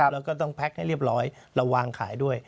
แล้วก็ต้องแพ็คให้เรียบร้อยเราวางขายด้วย